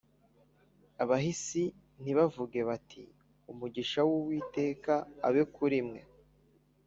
Abahisi ntibavuge bati umugisha w’uwiteka ube kurimwe